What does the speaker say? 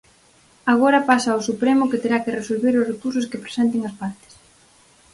Agora pasa ao Supremo que terá que resolver os recursos que presenten as partes.